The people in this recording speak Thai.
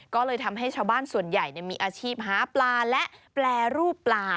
ก็เลยทำให้ชาวบ้านส่วนใหญ่มีอาชีพหาปลาและแปรรูปปลา